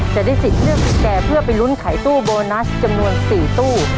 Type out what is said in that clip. จะได้สิทธิ์เลือกกุญแจเพื่อไปลุ้นขายตู้โบนัสจำนวน๔ตู้